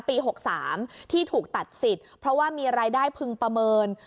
ปี๖๓ที่ถูกตัดสิทธิ์เพราะว่ามีรายได้พึงประเมิน